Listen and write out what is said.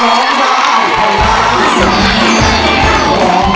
ร้องได้ว้าย